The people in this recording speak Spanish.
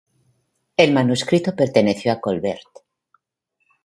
El manuscrito perteneció a Colbert.